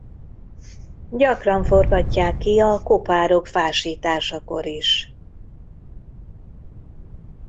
Gyakran forgatják ki a kopárok fásításakor is.